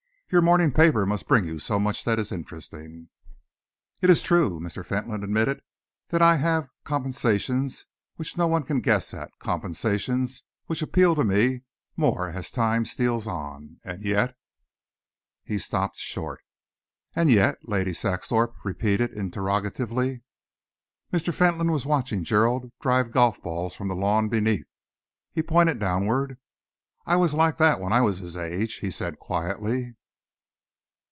Your morning paper must bring you so much that is interesting." "It is true," Mr. Fentolin admitted, "that I have compensations which no one can guess at, compensations which appeal to me more as time steals on. And yet " He stopped short. "And yet?" Lady Saxthorpe repeated interrogatively. Mr. Fentolin was watching Gerald drive golf balls from the lawn beneath. He pointed downwards. "I was like that when I was his age," he said quietly.